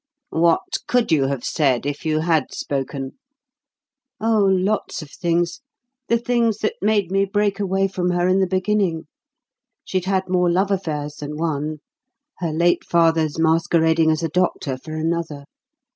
"What could you have said if you had spoken?" "Oh, lots of things the things that made me break away from her in the beginning. She'd had more love affairs than one; her late father's masquerading as a doctor for another.